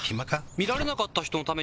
「見られなかった人のために」